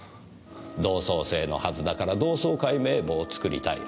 同窓生のはずだから同窓会名簿を作りたい。